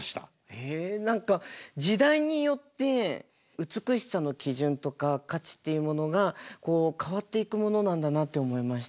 へえ何か時代によって美しさの基準とか価値っていうものがこう変わっていくものなんだなって思いました。